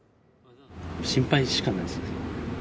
心配しかないですね。